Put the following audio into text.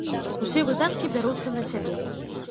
Усе выдаткі бяруцца на сябе.